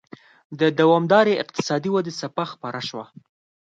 د دوامدارې اقتصادي ودې څپه خپره شوه.